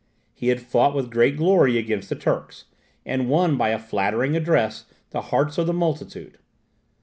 He had fought with great glory against the Turks, and won by a flattering address the hearts of the multitude.